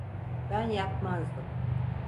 Ben yapmazdım.